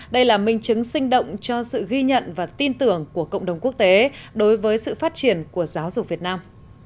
đây là minh chứng sinh động cho sự ghi nhận và tin tưởng của cộng đồng quốc tế đối với sự phát triển của giáo dục việt nam